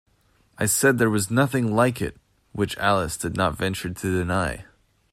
‘I said there was nothing like it.’ Which Alice did not venture to deny.